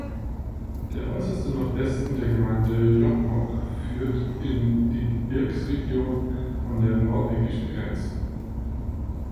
Der äußerste Nordwesten der Gemeinde Jokkmokk führt in die Gebirgsregion an der norwegischen Grenze.